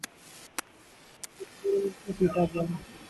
پورے ملک میں پیٹا گیا۔